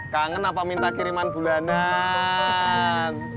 kangen apa minta kiriman bulanan